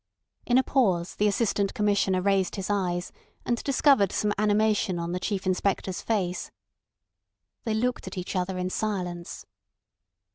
In a pause the Assistant Commissioner raised his eyes, and discovered some animation on the Chief Inspector's face. They looked at each other in silence.